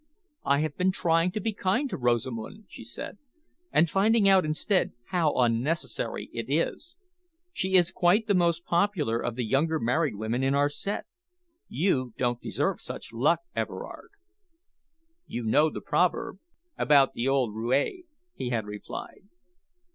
"I have been trying to be kind to Rosamund," she said, "and finding out instead how unnecessary it is. She is quite the most popular of the younger married women in our set. You don't deserve such luck, Everard." "You know the proverb about the old roue," he had replied.